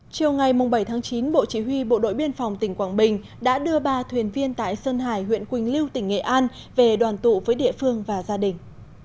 chiều ngày bảy chín bộ chỉ huy bộ đội biên phòng tỉnh quảng bình đã đưa ba thuyền viên tại sơn hải huyện quỳnh lưu tỉnh nghệ an về đoàn tụ với địa phương và gia đình